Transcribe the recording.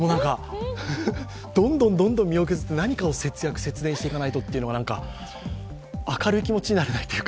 どんどん身を削って何かを節約節電していくという明るい気持ちになれないというか。